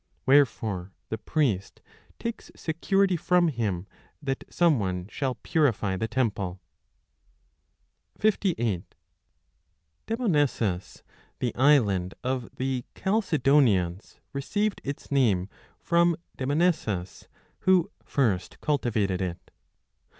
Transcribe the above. Wherefore the priest takes security from him that some one shall purify the temple. Dernonesus, the island of the Chalcedonians, received 58 20 its name from Demonesus, who first cultivated it.